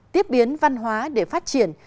tiếp biến văn hóa để phát triển